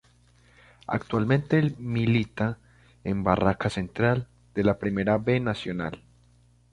Actualmente milita en Barracas Central de la Primera B Nacional.